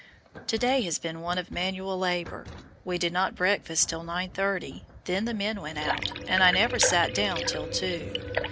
To day has been one of manual labor. We did not breakfast till 9:30, then the men went out, and I never sat down till two.